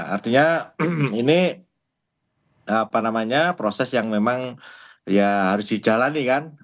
artinya ini proses yang memang ya harus dijalani kan